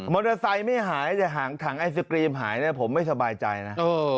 เตอร์ไซค์ไม่หายแต่หางถังไอศกรีมหายเนี่ยผมไม่สบายใจนะ